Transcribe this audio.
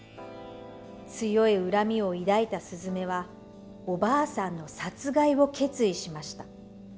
強い恨みを抱いたすずめはおばあさんの殺害を決意しました。